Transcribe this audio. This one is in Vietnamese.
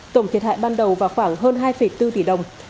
tổng thiệt hại ban đầu vào khoảng hơn hai bốn tỷ đồng